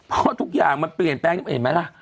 เพราะทุกอย่างมันเปลี่ยนแปลงเห็นไหมล่ะ